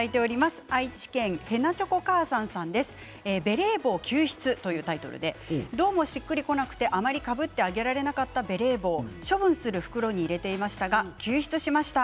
愛知県の方ベレー帽救出というタイトルでどうもしっくりこなくてあまりかぶってあげられなかったベレー帽を処分する袋に入れていましたが、救出しました。